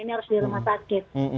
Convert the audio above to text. ini harus di rumah sakit